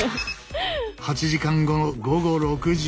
８時間後の午後６時。